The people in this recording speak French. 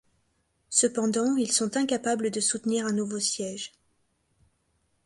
Cependant, ils sont incapables de soutenir un nouveau siège.